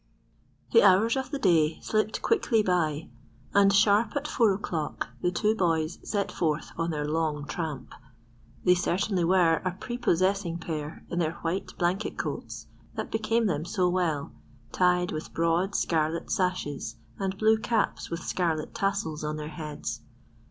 The hours of the day slipped quickly by, and sharp at four o'clock the two boys set forth on their long tramp. They certainly were a prepossessing pair in their white blanket coats, that became them so well, tied with broad scarlet sashes, and blue caps with scarlet tassels on their heads.